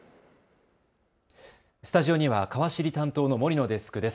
スタジオには、かわ知り担当の森野デスクです。